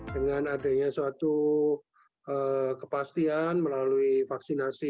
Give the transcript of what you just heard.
dengan adanya suatu kepastian melalui vaksinasi